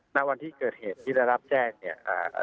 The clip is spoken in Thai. ณวันที่เกิดเหตุที่ได้รับแจ้งเนี่ย